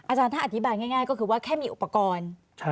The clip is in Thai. อาจารย์ถ้าอธิบายง่ายก็คือว่าแค่มีอุปกรณ์